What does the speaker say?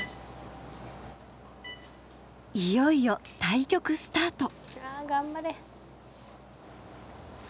いよいよ対局スタート。